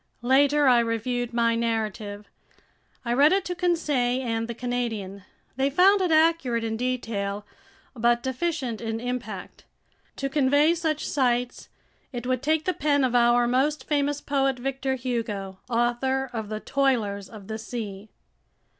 Later I reviewed my narrative. I read it to Conseil and the Canadian. They found it accurate in detail but deficient in impact. To convey such sights, it would take the pen of our most famous poet, Victor Hugo, author of The Toilers of the Sea.